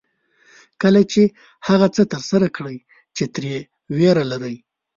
کله چې هغه څه ترسره کړئ چې ترې وېره لرئ.